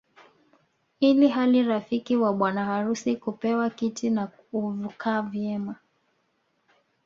Ili hali rafiki wa bwana harusi hupewa kiti na hukaa vyema